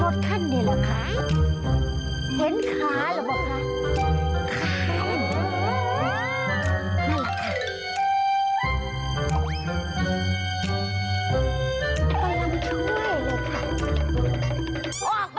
รถขั้นเนี่ยเหรอค่ะเห็นขาเหรอบอกค่ะ